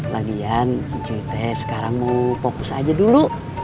lagian cuy teh sekarang mau fokus saja dulu